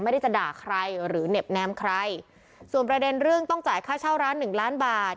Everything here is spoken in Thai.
ไม่ได้จะด่าใครหรือเหน็บแนมใครส่วนประเด็นเรื่องต้องจ่ายค่าเช่าร้านหนึ่งล้านบาท